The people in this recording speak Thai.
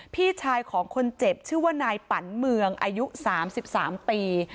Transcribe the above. พี่ชายของคนเจ็บชื่อว่านายปันเมืองอายุ๓๓ปี